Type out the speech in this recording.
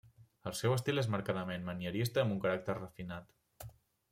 El seu estil és marcadament manierista amb un caràcter refinat.